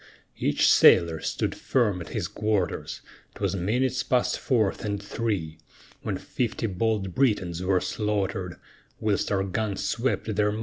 Each sailor stood firm at his quarters, 'Twas minutes past forth and three, When fifty bold Britons were slaughtered, Whilst our guns swept their masts in the sea.